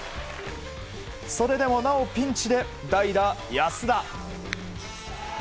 それでもなおピンチで代打、安田。